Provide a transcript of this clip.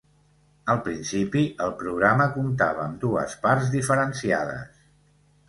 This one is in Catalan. Al principi, el programa comptava amb dues parts diferenciades.